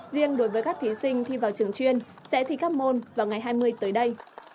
riêng đối với các thí sinh thi vào trường chuyên sẽ thi các môn vào ngày hai mươi tới đây